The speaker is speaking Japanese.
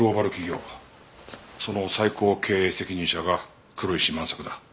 その最高経営責任者が黒石萬作だ。